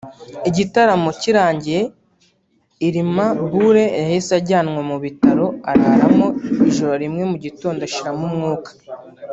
Igitaramo kirangiye Irma Bule yahise ajyanwa mu bitaro araramo ijoro rimwe mu gitondo ashiramo umwuka